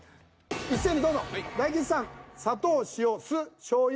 一斉にどうぞ。